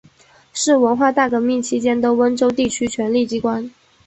是文化大革命期间的温州地区权力机关。